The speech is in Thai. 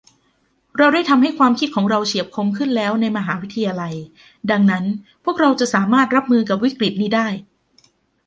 เราได้ทำให้ความคิดของเราเฉียบคมขึ้นแล้วในมหาวิทยาลัยดังนั้นพวกเราจะสามารถรับมือกับวิกฤตินี้ได้